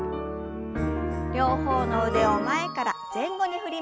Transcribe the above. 両方の腕を前から前後に振ります。